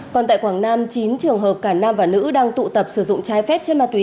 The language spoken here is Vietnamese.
còn tại quảng nam chín trường hợp cả nam và nữ đang tụ tập sử dụng trái phép chất ma túy